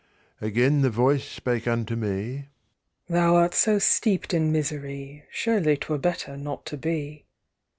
Again the voice spake unto me: "Thou art so steep'd in misery, Surely 'twere better not to be.